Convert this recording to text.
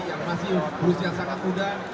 yang masih berusia sangat muda